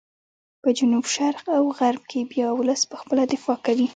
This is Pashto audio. په جنوب شرق او غرب کې بیا ولس په خپله دفاع کوي.